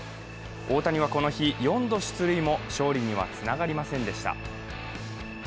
大谷はこの日、４度、出塁も勝利にはつながりませんでした。